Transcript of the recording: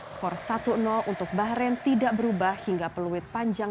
skor satu untuk bahrain tidak berubah hingga peluit panjang